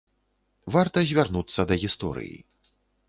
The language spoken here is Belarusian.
Варта звярнуцца да гісторыі.